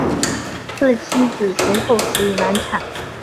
他的妻子随后死于难产。